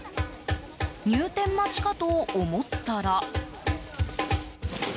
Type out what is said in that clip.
入店待ちかと思ったら。